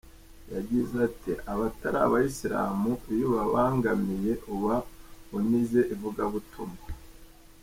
Yagize ati “Abatari abayisilamu iyo ubabangamiye uba unize ivugabutumwa.